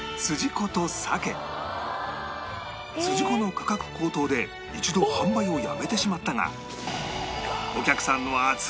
すじこの価格高騰で一度販売をやめてしまったが